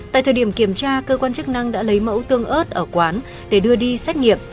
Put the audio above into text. tại thời điểm kiểm tra cơ quan chức năng đã lấy mẫu tương ớt ở quán để đưa đi xét nghiệm